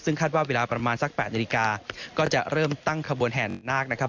ซึ่งคาดว่าเวลาประมาณสัก๘นาฬิกาก็จะเริ่มตั้งขบวนแห่นาคนะครับ